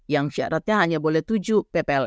yang syaratnya hanya boleh tujuh ppln